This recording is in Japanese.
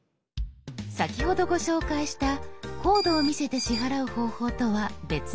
先ほどご紹介したコードを見せて支払う方法とは別のやり方です。